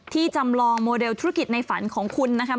จำลองโมเดลธุรกิจในฝันของคุณนะครับ